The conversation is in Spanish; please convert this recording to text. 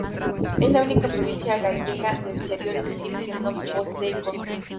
Es la única provincia gallega de interior, es decir que no posee costa.